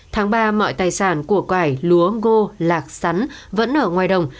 tháng ba mọi tài sản của cải lúa ngô lạc sắn vẫn ở ngoài đồng